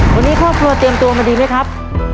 วันนี้ครอบครัวเตรียมตัวมาดีไหมครับ